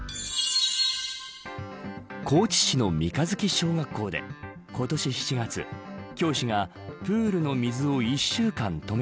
高知市の初月小学校で今年７月、教師がプールの水を１週間止め